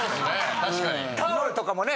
タオルとかもね